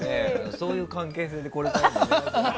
そういう関係でこれからも。